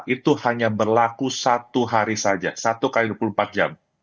itu hanya berlaku satu hari saja satu x dua puluh empat jam